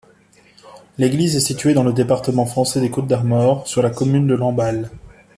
L'église est située dans le département français des Côtes-d'Armor, sur la commune de Lamballe.